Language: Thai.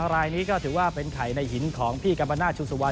รายนี้ก็ถือว่าเป็นไข่ในหินของพี่กัมปนาศชูสุวรร